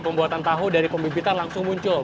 pembuatan tahu dari pembibitan langsung muncul